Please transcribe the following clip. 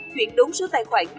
hai chuyển đúng số tài khoản